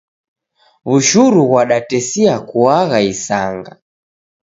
W'ushuru ghwadatesia kuagha isanga.